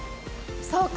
そうか！